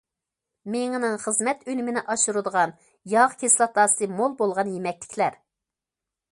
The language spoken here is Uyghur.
مېڭىنىڭ خىزمەت ئۈنۈمىنى ئاشۇرىدىغان ياغ كىسلاتاسى مول بولغان يېمەكلىكلەر.